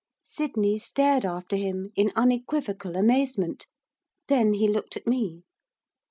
Sydney stared after him in unequivocal amazement. Then he looked at me.